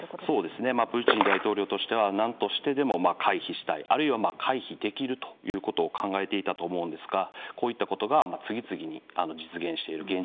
そうですねまあプーチン大統領としてはなんとしてでも回避したいあるいは回避できるということを考えていたと思うんですがこういったことが次々に実現している。